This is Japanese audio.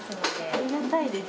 ありがたいです。